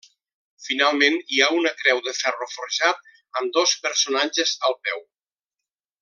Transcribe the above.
Finalment hi ha una creu de ferro forjat amb dos personatges al peu.